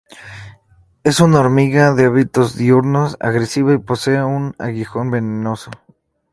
Es una hormiga de hábitos diurnos, agresiva, y posee un aguijón venenoso.